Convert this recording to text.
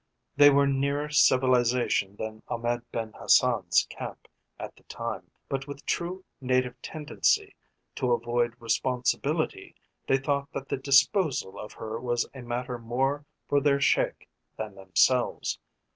They were nearer civilisation than Ahmed Ben Hassan's camp at the time, but with true native tendency to avoid responsibility they thought that the disposal of her was a matter more for their Sheik than themselves.